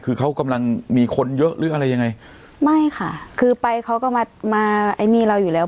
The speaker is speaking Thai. คือเขากำลังมีคนเยอะหรืออะไรยังไงไม่ค่ะคือไปเขาก็มามาไอ้นี่เราอยู่แล้ว